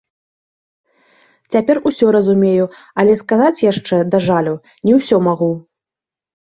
Цяпер усё разумею, але сказаць яшчэ, да жалю, не ўсё магу.